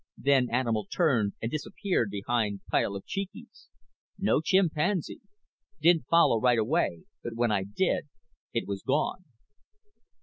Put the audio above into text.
Then animal turned and disappeared behind pile of Cheekys. No chimpanzee. Didn't follow right away but when I did it was gone.